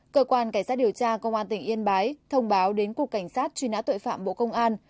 cơ quan cảnh sát điều tra công an tỉnh yên bái thông báo đến cục cảnh sát truy nã tội phạm bộ công an